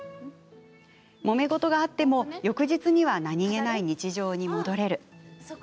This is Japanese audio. もめ事があっても翌日には何気ない日常に戻れる。